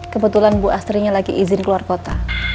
kebetulan bu astrinya lagi izin keluar kota